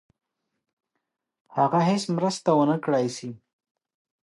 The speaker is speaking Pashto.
هغه هیڅ مرسته ونه کړای سي.